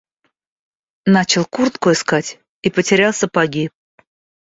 Начал куртку искать и потерял сапоги.